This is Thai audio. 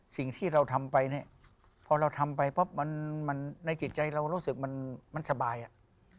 สิ่งที่เราทำไปเนี่ยพอเราทำไปปั๊บมันในจิตใจเรารู้สึกมันสบายอ่ะ